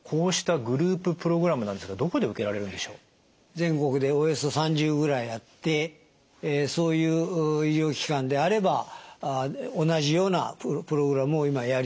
全国でおよそ３０ぐらいあってそういう医療機関であれば同じようなプログラムを今やるようにしています。